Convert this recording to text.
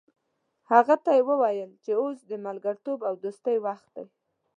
هغه ته یې وویل چې اوس د ملګرتوب او دوستۍ وخت دی.